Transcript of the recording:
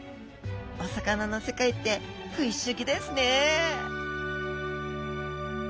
お魚の世界って不思議ですね